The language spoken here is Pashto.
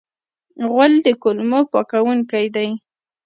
غول د کولمو پاکونکی دی.